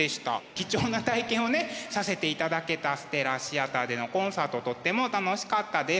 貴重な体験をねさせていただけたステラシアターでのコンサートとっても楽しかったです。